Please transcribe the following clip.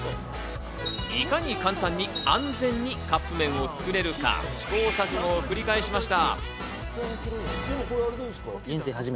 いかに簡単に安全にカップ麺を作れるか、試行錯誤を繰り返しました。